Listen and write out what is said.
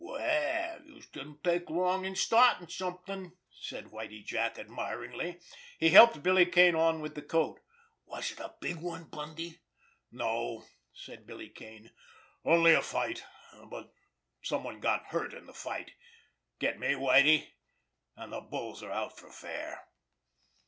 "Well, youse didn't take long in startin' something!" said Whitie Jack admiringly. He helped Billy Kane on with the coat. "Was it a big one, Bundy?" "No," said Billy Kane. "Only a fight, but someone got hurt in the fight—get me, Whitie? And the bulls are out for fair."